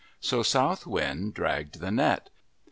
So South Wind dragged the net.